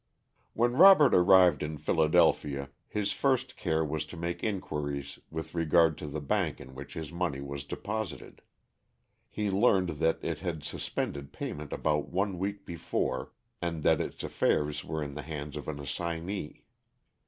_ When Robert arrived in Philadelphia his first care was to make inquiries with regard to the bank in which his money was deposited. He learned that it had suspended payment about one week before, and that its affairs were in the hands of an assignee.